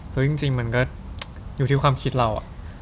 เพราะจริงมันก็อยู่ที่ความคิดเรา